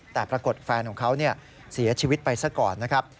แต่ปรากฏแฟนของเขาเสียชีวิตไปซะก่อนนะครับ